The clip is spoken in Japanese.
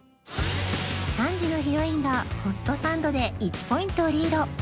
３時のヒロインがホットサンドで１ポイントリード